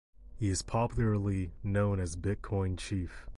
He is popularly known as Bitcoin Chief.